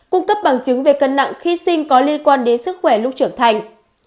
cung cấp bằng chứng về cân nặng khi sinh có liên quan đến sức khỏe lúc trưởng thành